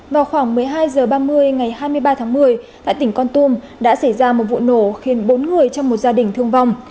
vào khoảng một mươi hai h ba mươi ngày hai mươi ba tháng một mươi tại tỉnh con tum đã xảy ra một vụ nổ khiến bốn người trong một gia đình thương vong